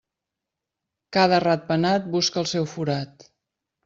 Cada ratpenat busca el seu forat.